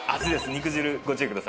肉汁ご注意ください。